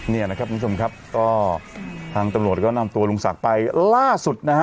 เนี่ยนะครับคุณผู้ชมครับก็ทางตำรวจก็นำตัวลุงศักดิ์ไปล่าสุดนะฮะ